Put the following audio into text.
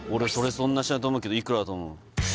そんなにしないと思うけどいくらだと思う？